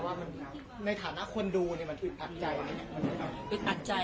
มีอะไรจะบอกไหมนะว่าในฐานะคนดูมันอึดอัดใจ